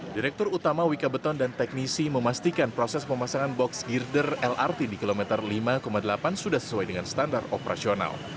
direktur utama wika beton dan teknisi memastikan proses pemasangan box girder lrt di kilometer lima delapan sudah sesuai dengan standar operasional